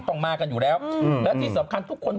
ต้องมากันอยู่แล้วและที่สำคัญทุกคน